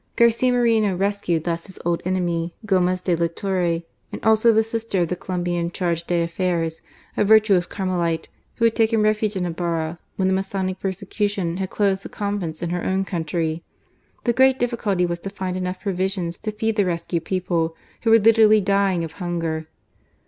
Garcia Moreno rescued thus his old enemy, Gomez de la Torre, and also the sister of the Colombian Charg6 d'Affaires, a virtuous Carmelite, who had taken refuge in Ibarra when the Masonic persecution had closed the convents in her own country. The great difficulty was to find enough pro visions to feed the rescued people, who were literally dying of hunger.